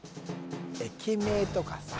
駅名とかさ